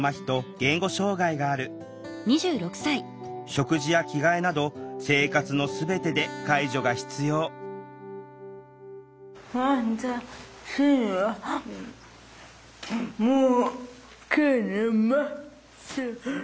食事や着替えなど生活の全てで介助が必要どうだろう？